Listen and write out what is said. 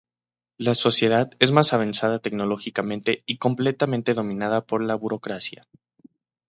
La sociedad es más avanzada tecnológicamente y completamente dominada por la burocracia.